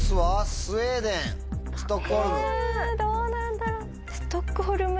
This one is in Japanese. どうなんだろう。